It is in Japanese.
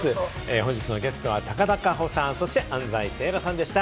本日のゲストは高田夏帆さん、安斉星来さんでした。